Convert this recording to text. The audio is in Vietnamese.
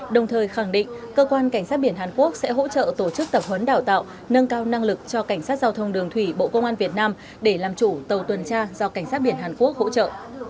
đồng thời khẳng định cơ quan cảnh sát biển hàn quốc sẽ hỗ trợ tổ chức tập huấn đào tạo nâng cao năng lực cho cảnh sát giao thông đường thủy bộ công an việt nam để làm chủ tàu tuần tra do cảnh sát biển hàn quốc hỗ trợ